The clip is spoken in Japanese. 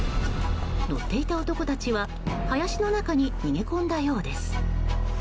乗っていた男たちは林の中に逃げ込んだようです。